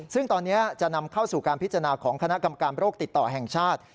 ซึ่งตอนนี้จะนำเข้าสู่การพิจารณาของคณะกรรมการโรคติดต่อแห่งชาติ